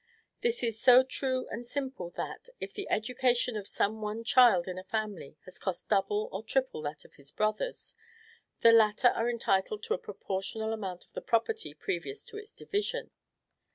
This is so true and simple that, if the education of some one child in a family has cost double or triple that of its brothers, the latter are entitled to a proportional amount of the property previous to its division.